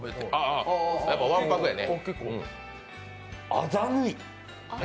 わんぱくやね。